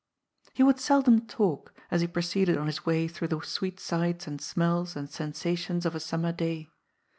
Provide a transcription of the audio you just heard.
He would seldom talk, as he proceeded on his way through the sweet sights and smells and sensations of a summer day.